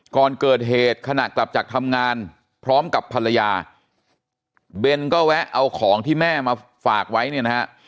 ก่อนเกิดเหตุขณะกลับจากทำงานพร้อมกับภรรยาเบนก็แวะเอาของที่แม่มาฝากไว้เนี่ยนะฮะ